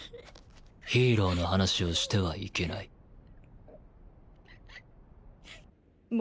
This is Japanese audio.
ヒーローの話をしてはいけないひっく。